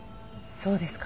そうですか。